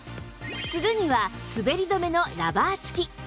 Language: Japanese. ツルには滑り止めのラバー付き